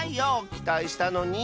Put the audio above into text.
きたいしたのに。